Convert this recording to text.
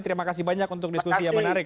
terima kasih banyak untuk diskusi yang menarik